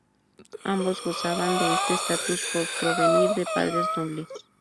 Ambos gozaban de este estatus por provenir de padres nobles.